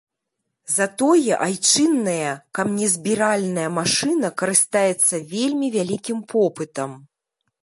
Затое айчынная каменезбіральная машына карыстаецца вельмі вялікім попытам.